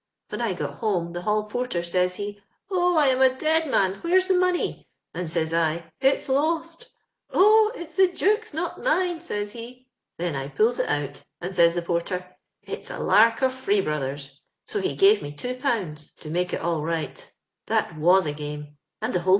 When I got home the hall porter, says he, * Oh, I am a dead man ; where's the money ?' and says I, * It's lost.' * Oh I it's the Duke's, not mine,' says he. Then I pulls it out ; and says the porter, * It's I a lark of Freebrotlier's.' So he gave me 2/. ^^ 470 LONDON LABOUR AND WBS LONDON POOD. to make H all right That iwu a game, and the hall.